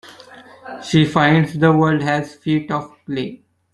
She finds the world has feet of clay.